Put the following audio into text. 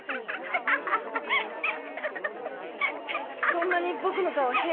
そんなに僕の顔変？